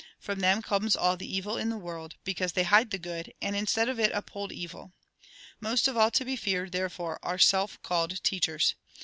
From them comes all the evil in tlie world ; because they hide the good, and instead of it uphold evil. Most of all to be feared, therefore, are self called teachers.